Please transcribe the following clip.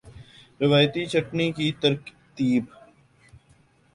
روایتی چھٹنی کی ترتیب